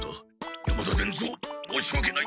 山田伝蔵申しわけない！